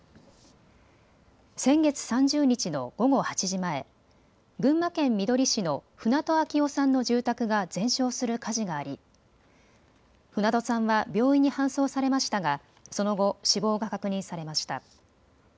先月３０日の午後８時前、群馬県みどり市の船戸秋雄さんの住宅が全焼する火事があり船戸さんは病院に搬送されましたが、その後、死亡が確認されました。